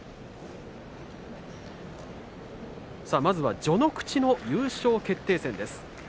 まずは序ノ口の優勝決定戦です。